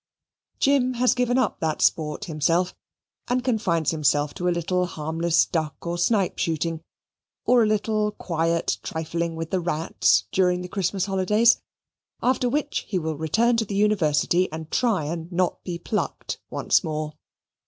Jim has given up that sport himself and confines himself to a little harmless duck or snipe shooting, or a little quiet trifling with the rats during the Christmas holidays, after which he will return to the University and try and not be plucked, once more.